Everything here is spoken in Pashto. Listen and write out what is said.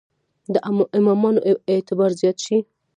د امامانو اعتبار زیات شي.